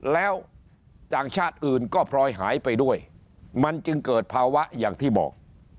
แล้วต่างชาติอื่นก็พลอยหายไปด้วยมันจึงเกิดภาวะอย่างที่บอก